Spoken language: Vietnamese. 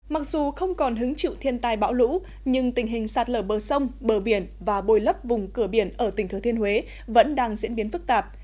mặc dù không còn hứng chịu thiên tai bão lũ nhưng tình hình sạt lở bờ sông bờ biển và bồi lấp vùng cửa biển ở tỉnh thừa thiên huế vẫn đang diễn biến phức tạp